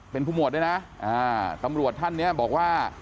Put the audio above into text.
เป็นผู้หมวดด้วยนะตำรวจท่านเนี่ยบอกว่า